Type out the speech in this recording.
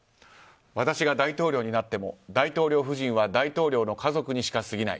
私が大統領になっても大統領夫人は大統領の家族にしか過ぎない。